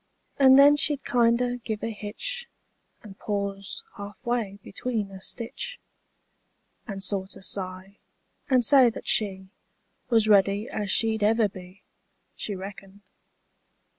And then she'd kinder give a hitch, And pause half way between a stitch. And sorter sigh, and say that she Was ready as she'd ever be. She reckoned.